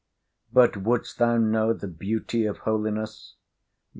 But would'st thou know the beauty of holiness?